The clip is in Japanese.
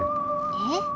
えっ？